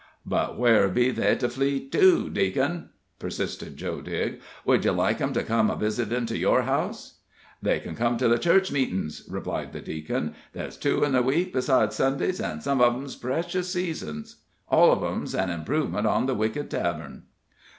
"But where be they to flee to, Deac'n?" persisted Joe Digg; "would you like 'em to come a visitin' to your house?" "They can come to the church meetings," replied the Deacon; "there's two in the week, besides Sundays, an' some of 'em's precious seasons all of 'em's an improvement on the wicked tavern."